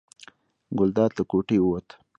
ګلداد له کوټې ووت.